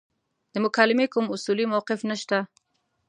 د مکالمې کوم اصولي موقف نشته.